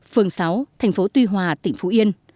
phường sáu tp tuy hòa tỉnh phú yên